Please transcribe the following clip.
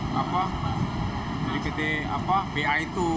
dari pt pa itu